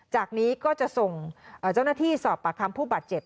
จากนี้ก็จะส่งเจ้าหน้าที่สอบปากคำผู้บาดเจ็บ